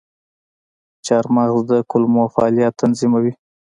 چارمغز د کولمو فعالیت تنظیموي.